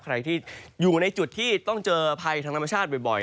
ใครที่อยู่ในจุดที่ต้องเจอภัยทางธรรมชาติบ่อย